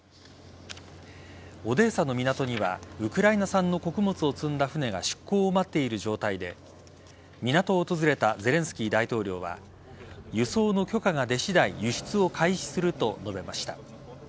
オデーサの港にはウクライナ産の穀物を積んだ船が出港を待っている状態で港を訪れたゼレンスキー大統領は輸送の許可が出次第輸出を開始すると述べました。